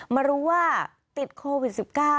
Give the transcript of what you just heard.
มารู้ว่าติดโควิด๑๙